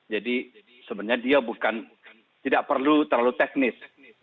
jadi sebenarnya dia bukan tidak perlu terlalu teknis